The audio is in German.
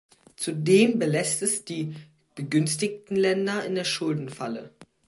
Zudem belässt es die "begünstigten" Länder in der Schuldenfalle.